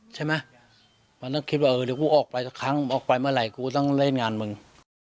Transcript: ใช่ไหมมันต้องคิดว่าเออเดี๋ยวกูออกไปสักครั้งออกไปเมื่อไหร่กูต้องเล่นงานมึง